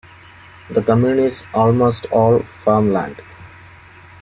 The commune is almost all farmland.